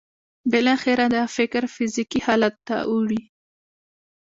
بالاخره دا فکر فزیکي حالت ته اوړي